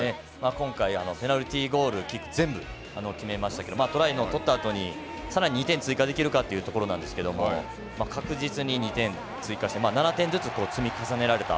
今回、ペナルティーゴール、キック決めましたけど、トライを取ったあとにさらに２点追加できるかというところなんですけれども、確実に２点追加して７点ずつ積み重ねられた。